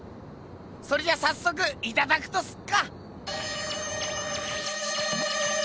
それじゃさっそくいただくとすっか。